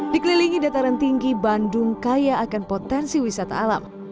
dikelilingi dataran tinggi bandung kaya akan potensi wisata alam